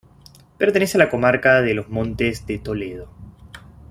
Pertenece a la Comarca de los Montes de Toledo.